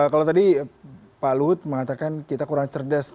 kalau tadi pak luhut mengatakan kita kurang cerdas